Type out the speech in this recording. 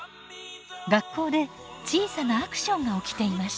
学校で小さなアクションが起きていました。